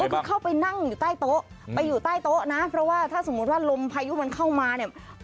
ก็คือเข้าไปนั่งอยู่ใต้โต๊ะไปอยู่ใต้โต๊ะนะเพราะว่าถ้าสมมุติว่าลมพายุมันเข้ามาเนี่ย